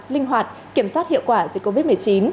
linh hoạt kiểm soát hiệu quả dịch covid một mươi chín